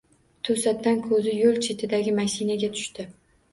Toʻsatdan koʻzi yoʻl chetidagi mashinaga tushdi